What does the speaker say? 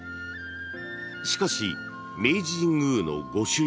［しかし明治神宮の御朱印］